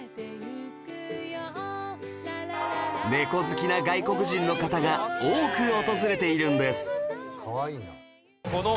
猫好きな外国人の方が多く訪れているんです